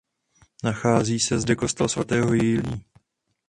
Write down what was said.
Nachází se zde kostel svatého Jiljí.